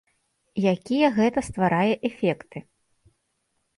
Якія гэта стварае эфекты?